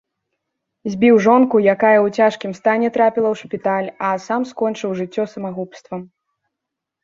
Збіў жонку, якая ў цяжкім стане трапіла ў шпіталь, а сам скончыў жыццё самагубствам.